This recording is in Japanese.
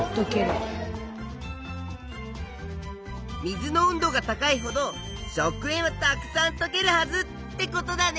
水の温度が高いほど食塩はたくさんとけるはずってことだね。